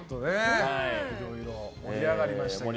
いろいろ盛り上がりましたけども。